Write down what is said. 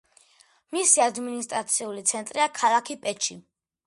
მისი ადმინისტრაციული ცენტრია ქალაქი პეჩი.